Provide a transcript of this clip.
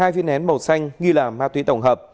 hai viên nén màu xanh nghi là ma túy tổng hợp